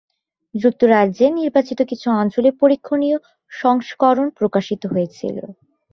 যুক্তরাজ্যের নির্বাচিত কিছু অঞ্চলে পরিক্ষণীয় সংস্করণ প্রকাশিত হয়েছিল।